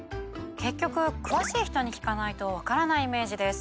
結局詳しい人に聞かないとわからないイメージです。